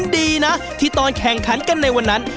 ดีนะที่ตอนแข่งขันกันในวันนั้น